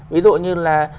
ví dụ như là